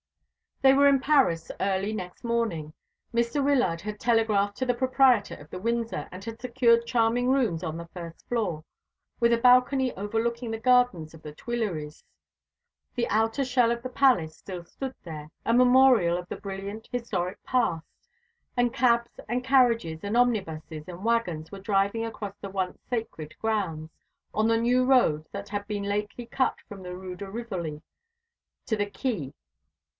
They were in Paris early next morning. Mr. Wyllard had telegraphed to the proprietor of the Windsor, and had secured charming rooms on the first floor, with a balcony overlooking the gardens of the Tuileries. The outer shell of the palace still stood there, a memorial of the brilliant historic past, and cabs and carriages and omnibuses and wagons were driving across the once sacred grounds, on the new road that had been lately cut from the Rue de Rivoli to the quay.